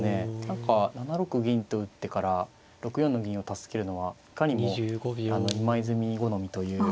何か７六銀と打ってから６四の銀を助けるのはいかにも今泉好みという感じがしますね。